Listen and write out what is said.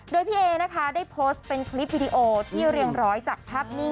โดยพี่เอนะคะได้โพสต์เป็นคลิปวิดีโอที่เรียงร้อยจากภาพนี้